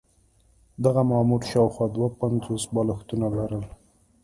دغه مامور شاوخوا دوه پنځوس بالښتونه لرل.